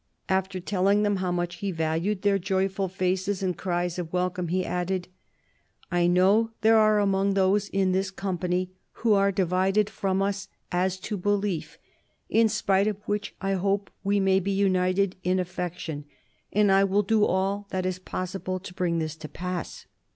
After telling them how much he valued their joyful faces and cries of welcome, he added, " I know there are those in this company who are divided from us as to belief; in spite of which, I hope we may be united in affection, and I will do all that is possible to bring this to pass."